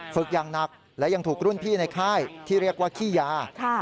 ฝึกอย่างหนักและยังถูกรุ่นพี่ในค่ายที่เรียกว่าขี้ยา